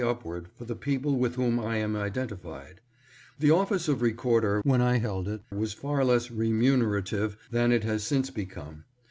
upward for the people with whom I am identified. The office of Recorder was far less remunerative when I held it than it has since become.